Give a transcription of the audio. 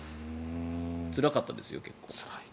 つらかったですよ、結構。